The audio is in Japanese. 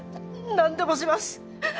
何でもします